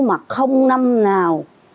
mà không năm nào